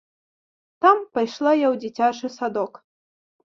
Там пайшла я ў дзіцячы садок.